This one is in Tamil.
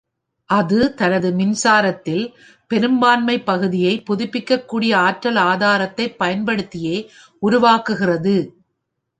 அது தனது மின்சாரத்தில் பெரும்பான்மை பகுதியை புதுப்பிக்கக்கூடிய ஆற்றல் ஆதாரத்தைப் பயன்படுத்தியே உருவாக்குகிறது.